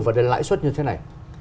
và lãi suất như thế này